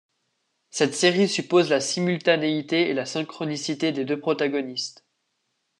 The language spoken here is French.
Cette série suppose la simultanéité et la synchronicité des deux protagonistes.